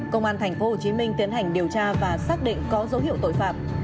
công an tp hcm tiến hành điều tra và xác định có dấu hiệu tội phạm